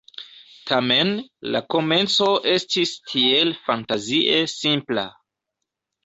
Tamen, la komenco estis tiel fantazie simpla...